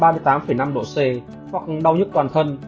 sốt trên ba mươi tám năm độ c hoặc đau nứt toàn thân